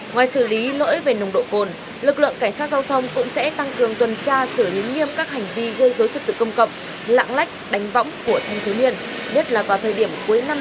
ngoài xử lý lỗi về nồng độ cồn lực lượng cảnh sát giao thông cũng sẽ tăng cường tuần tra xử lý nghiêm các hành vi gây dối chất tự công cộng lãng lách đánh võng của thành phố miền